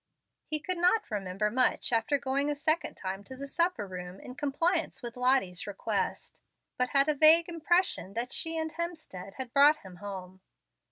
He could not remember much after going a second time to the supper room in compliance with Lottie's request, but had a vague impression that she and Hemstead had brought him home.